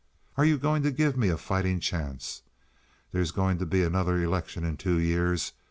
Are you going to give me a fighting chance? There's going to be another election in two years.